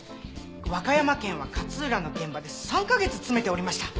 和歌山県は勝浦の現場で３か月詰めておりました。